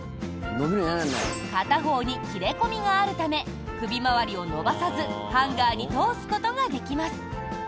片方に切れ込みがあるため首回りを伸ばさずハンガーに通すことができます。